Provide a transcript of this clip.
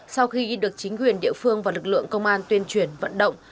sau khi được chính quyền địa phương và lực lượng công an tuyên truyền vận động